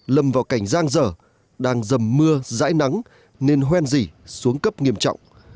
giang dở đang dầm mưa dãi nắng nên hoen dỉ xuống cấp nghiêm trọng